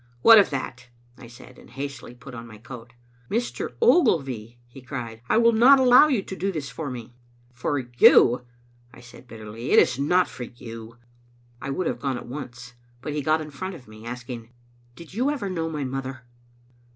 "What of that?" I said, and hastily put on my coat. "Mr. Ogilvy," he cried, "I will not allow you to do this for me. "" For you?" I said bitterly. " It is not for you." I would have gone at once, but he got in front of me, asking, " Did you ever know my mother?"